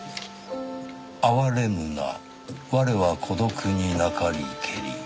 「哀れむな我は孤独になかりけり